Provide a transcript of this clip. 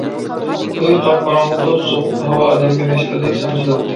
ئۆي قاپقاراڭغۇ بولۇپ، سوغۇق ھاۋا ئادەمگە نەشتەردەك سانجىلاتتى.